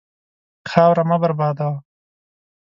خاوره مه بربادوه.